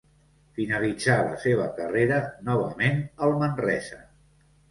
Finalitzà la seva carrera novament al Manresa.